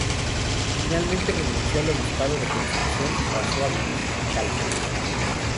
Finalmente renunció al Obispado de Concepción, y pasó a vivir a Talca.